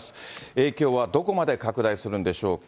影響はどこまで拡大するんでしょうか。